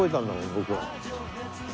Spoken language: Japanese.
僕は。